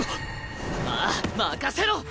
ああ任せろ！